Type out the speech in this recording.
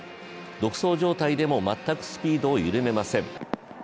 独走状態でも全くスピードを緩めません。